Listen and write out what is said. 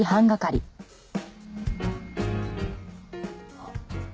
あっ。